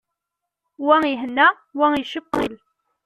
Wa ihenna, wa icewwel.